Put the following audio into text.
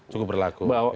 sudah cukup berlaku